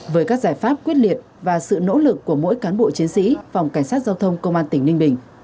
với các giải pháp quyết liệt và sự nỗ lực của mỗi cán bộ chiến sĩ phòng cảnh sát giao thông công an tỉnh ninh bình